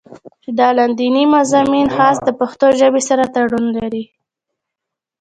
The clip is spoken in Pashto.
چې دا لانديني مضامين خاص د پښتو ژبې سره تړون لري